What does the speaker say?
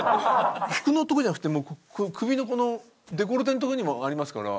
服のとこじゃなくてもう首のこのデコルテのとこにもありますから。